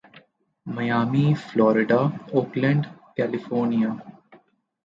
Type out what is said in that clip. Miami Florida Oakland California